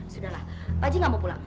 sudahlah pak haji gak mau pulang